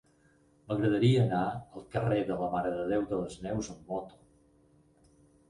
M'agradaria anar al carrer de la Mare de Déu de les Neus amb moto.